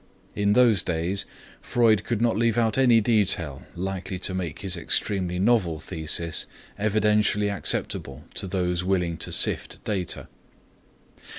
In those days, Freud could not leave out any detail likely to make his extremely novel thesis evidentially acceptable to those willing to sift data.